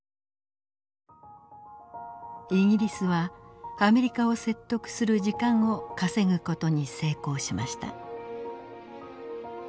イギリスはアメリカを説得する時間を稼ぐ事に成功しました。